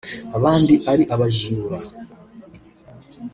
abandi ari abajura